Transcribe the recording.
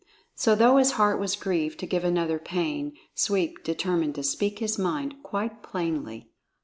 So though his heart was grieved to give another pain, Sweep determined to speak his mind quite plainly.